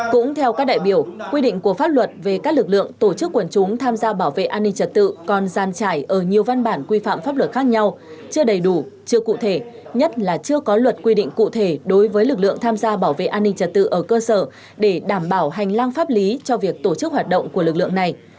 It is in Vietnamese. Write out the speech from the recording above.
cũng theo các đại biểu quy định của pháp luật về các lực lượng tổ chức quần chúng tham gia bảo vệ an ninh trật tự còn gian trải ở nhiều văn bản quy phạm pháp luật khác nhau chưa đầy đủ chưa cụ thể nhất là chưa có luật quy định cụ thể đối với lực lượng tham gia bảo vệ an ninh trật tự ở cơ sở để đảm bảo hành lang pháp lý cho việc tổ chức hoạt động của lực lượng này